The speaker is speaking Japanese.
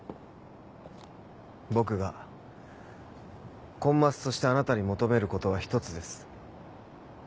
僕がコンマスとしてあなたに求めることは１つです。